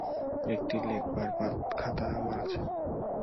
একটি লেখবার খাতা আমার আছে।